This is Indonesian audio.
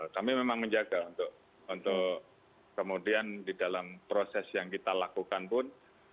kami memang menjaga untuk kemudian di dalam proses yang kita lakukan pun